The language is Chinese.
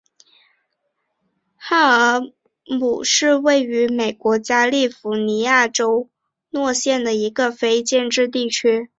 赫尔姆是位于美国加利福尼亚州弗雷斯诺县的一个非建制地区。